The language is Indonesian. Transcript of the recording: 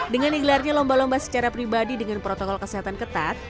dengan digelarnya lomba lomba secara pribadi dengan protokol kesehatan ketat